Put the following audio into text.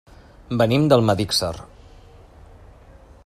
Venim d'Almedíxer.